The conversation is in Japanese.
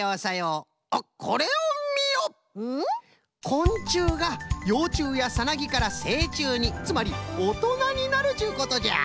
こんちゅうがようちゅうやサナギからせいちゅうにつまりおとなになるっちゅうことじゃ。